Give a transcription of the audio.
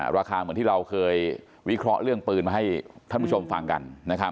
ราคาเหมือนที่เราเคยวิเคราะห์เรื่องปืนมาให้ท่านผู้ชมฟังกัน